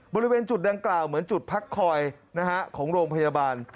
บริเวณจุดดังกล่าวเหมือนจุดพักคอยของโรงพยาบาล